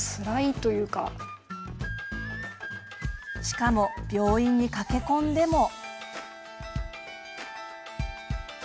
しかも、病院に駆け込んでも。